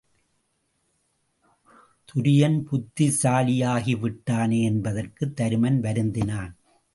துரியன் புத்திசாலியாகிவிட்டானே என்பதற்குத் தருமன் வருந்தினான்.